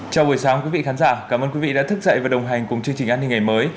chào buổi sáng quý vị khán giả cảm ơn quý vị đã thức dậy và đồng hành cùng chương trình an ninh ngày mới